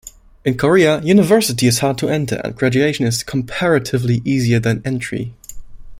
In Korea, university is hard to enter, and graduation is comparatively easier than entry.